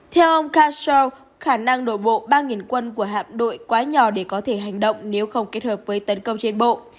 theo ông cashal khả năng đổ bộ ba quân của hạm đội quá nhỏ để có thể hành động nếu không kết hợp với tấn công trên bộ